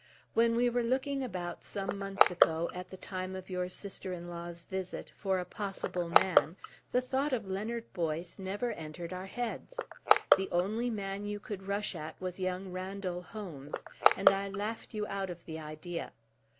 When we were looking about, some months ago, at the time of your sister in law's visit, for a possible man, the thought of Leonard Boyce never entered our heads. The only man you could rush at was young Randall Holmes, and I laughed you out of the idea.